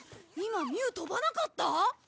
今ミュー飛ばなかった！？